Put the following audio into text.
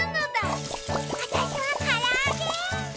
わたしはからあげ！